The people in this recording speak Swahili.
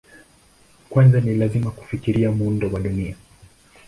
Kwanza ni lazima kufikiria muundo wa Dunia.